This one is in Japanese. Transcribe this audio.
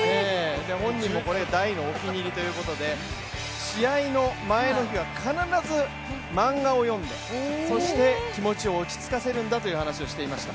これが大のお気に入りということで試合の前の日は必ず漫画を読んでそして気持ちを落ち着かせるんだという話をしていました。